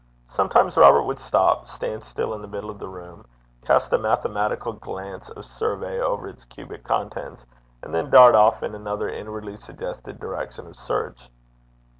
Sometimes Robert would stop, stand still in the middle of the room, cast a mathematical glance of survey over its cubic contents, and then dart off in another inwardly suggested direction of search.